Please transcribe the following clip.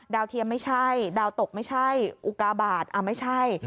เทียมไม่ใช่ดาวตกไม่ใช่อุกาบาทไม่ใช่